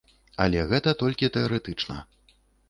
Але гэта толькі тэарэтычна.